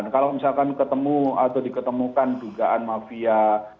kalau misalkan ketemu atau diketemukan dugaan mafia